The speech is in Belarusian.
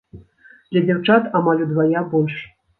Для дзяўчат амаль удвая больш.